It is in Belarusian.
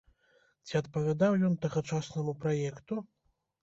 Ці адпавядаў ён тагачаснаму праекту?